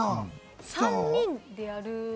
３人でやる。